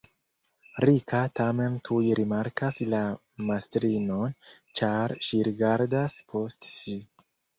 Rika tamen tuj rimarkas la mastrinon, ĉar ŝi rigardas post sin.